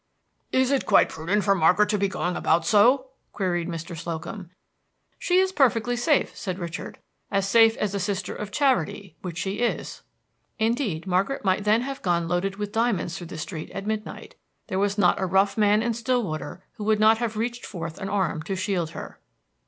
"Is it quite prudent for Margaret to be going about so?" queried Mr. Slocum. "She is perfectly safe," said Richard, "as safe as a Sister of Charity, which she is." Indeed, Margaret might then have gone loaded with diamonds through the streets at midnight. There was not a rough man in Stillwater who would not have reached forth an arm to shield her.